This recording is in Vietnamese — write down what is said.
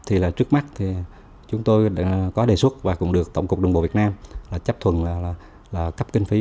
trước mắt chúng tôi có đề xuất và cũng được tổng cục đường bộ việt nam chấp thuận cấp kinh phí